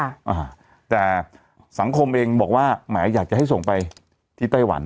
อ่าแต่สังคมเองบอกว่าแหมอยากจะให้ส่งไปที่ไต้หวัน